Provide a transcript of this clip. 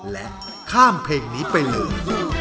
และข้ามเพลงนี้ไปเลย